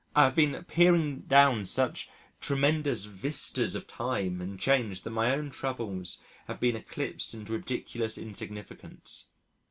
I have been peering down such tremendous vistas of time and change that my own troubles have been eclipsed into ridiculous insignificance.